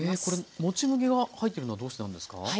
これもち麦が入っているのはどうしてなんですか？